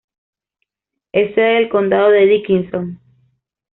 Es sede del condado de Dickinson.